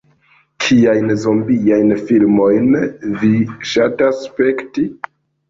"Kiajn zombiajn filmojn vi ŝatas spekti?"